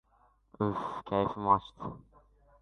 Uf-f, kayfim oshdi...